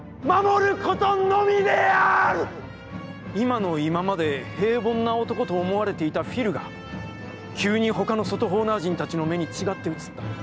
今の今まで平凡な男と思われていたフィルが、急にほかの外ホーナー人たちの目にちがって映った。